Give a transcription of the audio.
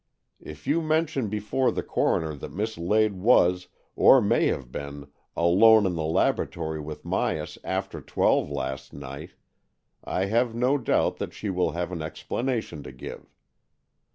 If you mention before the coroner that Miss Lade was, or may have been, alone in the laboratory with Myas after twelve last night, I have no doubt that she will have an explanation to give.